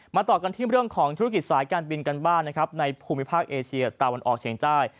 ต่อกันที่เรื่องของธุรกิจสายการบินกันบ้างนะครับในภูมิภาคเอเชียตะวันออกเฉียงใต้